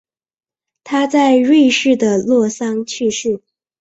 他在瑞士的洛桑去世。